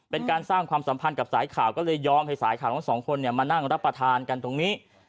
เป็นการสร้างความสัมพันธ์กับสายข่าวก็เลยยอมให้สายข่าวทั้งสองคนมานั่งรับประทานกันตรงนี้